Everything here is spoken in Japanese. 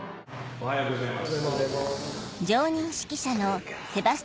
おはようございます。